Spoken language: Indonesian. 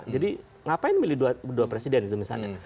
jadi ngapain milih dua presiden itu misalnya